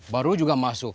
baru juga masuk